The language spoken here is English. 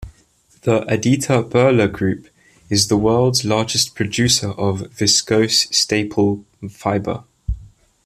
The Aditya Birla Group is the world's largest producer of Viscose staple fibre.